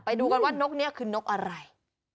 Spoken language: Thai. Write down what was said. ไปดูกันว่านกนี้คือนกอะไร